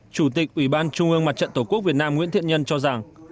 chủ tịch ủy ban trung ương mặt trận tổ quốc việt nam nguyễn thiện nhân cho rằng